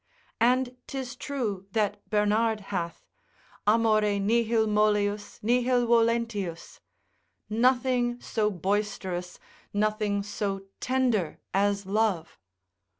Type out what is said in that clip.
And 'tis true that Bernard hath; Amore nihil mollius, nihil volentius, nothing so boisterous, nothing so tender as love.